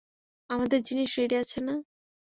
আমাদের জিনিস রেডি আছে না?